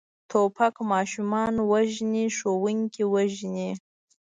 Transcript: توپک ماشومان وژني، ښوونکي وژني.